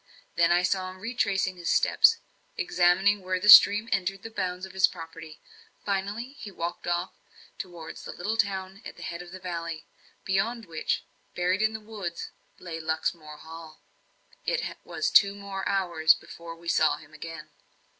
Then I saw him retracing his steps, examining where the stream entered the bounds of his property. Finally, he walked off towards the little town at the head of the valley beyond which, buried in woods, lay Luxmore Hall. It was two hours more before we saw him again.